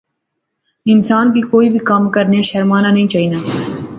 انسان کی کوئی وی کم کرنیا شرمانا نی چاینا